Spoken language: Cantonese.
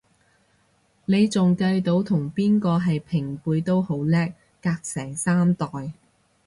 你仲計到同邊個係平輩都好叻，隔成三代